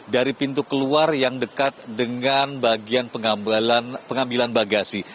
di bagian luar yang dekat dengan bagian pengambilan bagasi